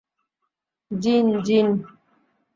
জিন, জিন!